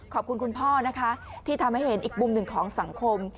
ขอบคุณคุณพ่อนะคะที่ทำให้เห็นอีกมุมหนึ่งของสังคม